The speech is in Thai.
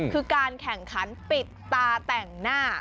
คือการแข่งขันปิดตาแต่งหน้า